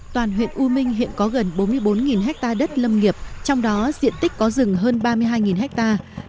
toàn huyện u minh hiện có gần bốn mươi bốn hectare đất lâm nghiệp trong đó diện tích có rừng hơn ba mươi hai hectare